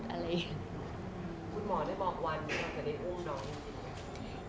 คุณหมอได้บอกวันคุณค่ะวันแสดงได้อุ้มน้อง